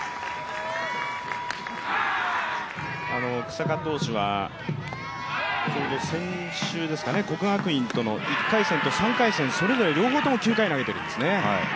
草加投手は、ちょうど先週国学院大学との１回戦と３回戦、両方とも９回投げているんですね。